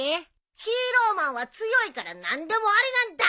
ヒーローマンは強いから何でもありなんだ。